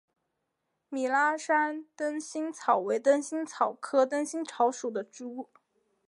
米拉山灯心草为灯心草科灯心草属的植物。